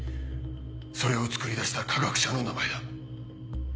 それをつくり出した科学者の名前だ。